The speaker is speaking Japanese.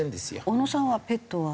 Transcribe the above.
小野さんはペットは？